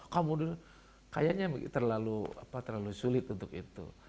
kayaknya terlalu sulit untuk itu